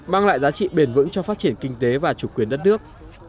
mang lại giá trị bền vững cho phát triển kinh tế và chủ quyền đất nước